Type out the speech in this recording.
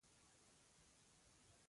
مستو یو پوټی ور وغورځاوه چې څه کوي.